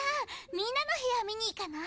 みんなの部屋見に行かない？